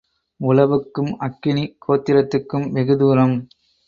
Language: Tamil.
உழவுக்கும் அக்கினி ஹோத்திரத்துக்கும் வெகு தூரம்.